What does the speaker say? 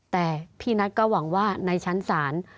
แต่พี่นัทก็หวังว่าในชั้นศาล